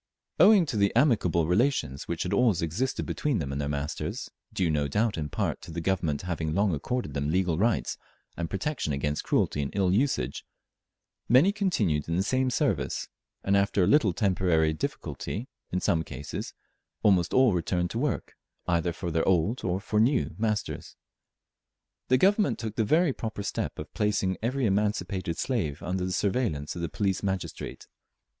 Owing to the amicable relations which had always existed between them and their masters, due no doubt in part to the Government having long accorded them legal rights and protection against cruelty and ill usage, many continued in the same service, and after a little temporary difficulty in some cases, almost all returned to work either for their old or for new, masters. The Government took the very proper step of placing every emancipated slave under the surveillance of the police magistrate.